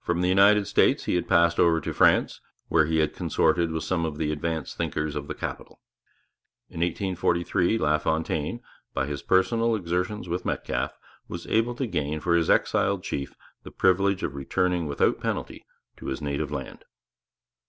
From the United States he had passed over to France, where he had consorted with some of the advanced thinkers of the capital. In 1843 LaFontaine, by his personal exertions with Metcalfe, was able to gain for his exiled chief the privilege of returning without penalty to his native land.